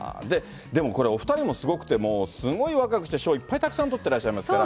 で、お２人もすごくて、すごい若くて、賞いっぱい取ってらっしゃいますから。